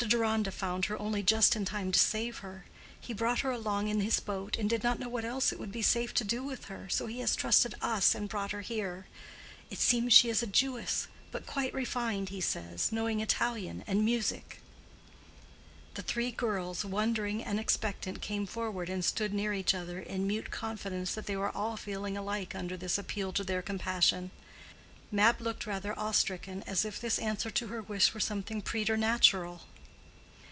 Deronda found her only just in time to save her. He brought her along in his boat, and did not know what else it would be safe to do with her, so he has trusted us and brought her here. It seems she is a Jewess, but quite refined, he says—knowing Italian and music." The three girls, wondering and expectant, came forward and stood near each other in mute confidence that they were all feeling alike under this appeal to their compassion. Mab looked rather awe stricken, as if this answer to her wish were something preternatural.